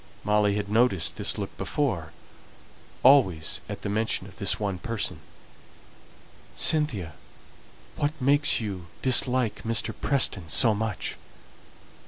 Molly had noticed this look before, always at the mention of this one person. "Cynthia, what makes you dislike Mr. Preston so much?"